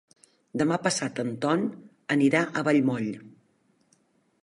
Demà passat en Ton anirà a Vallmoll.